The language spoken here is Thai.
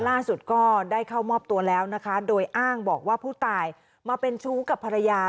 ล่าสุดก็ได้เข้ามอบตัวแล้วนะคะโดยอ้างบอกว่าผู้ตายมาเป็นชู้กับภรรยา